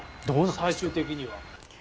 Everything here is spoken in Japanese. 最終的には。